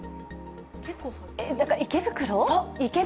池袋？